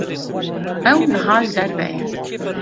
Ew niha li derve ye.